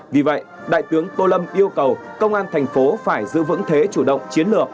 vì vậy đại tướng tô lâm yêu cầu công an thành phố phải giữ vững thế chủ động chiến lược